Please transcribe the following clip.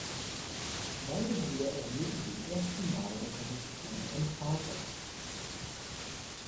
Beide Brüder erhielten den ersten Malunterricht von ihrem Vater.